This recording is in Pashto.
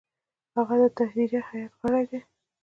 هغه د تحریریه هیئت غړی دی.